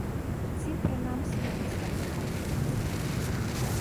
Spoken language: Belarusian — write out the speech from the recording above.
Ці, прынамсі, мець такую магчымасць.